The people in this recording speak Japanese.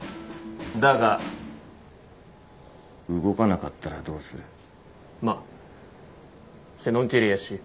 だが動かなかったらどうする？